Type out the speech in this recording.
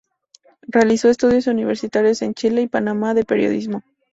Realizó estudios universitarios en Chile y Panamá de periodismo.